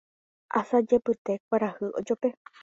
Asajepyte kuarahy ojope.